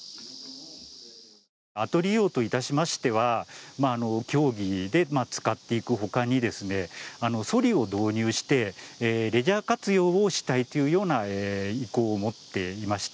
あと利用といたしましては競技で使っていくほかにそりを導入してレジャー活用したいというような意向を持っていました。